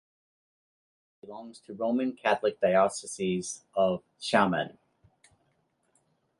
It belongs to Roman Catholic Diocese of Xiamen.